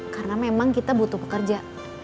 karena memang kita butuh pekerja